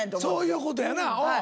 そういうことやな。